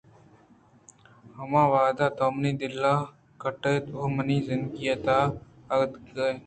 ھما وھد ءَ تو منی دل کٹّ اِت ءُ منی زندگی ءِ تہ ءَ آتک ئے